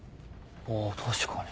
あ確かに。